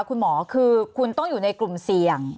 คุณหมอคือคุณต้องอยู่ในกลุ่มเสี่ยง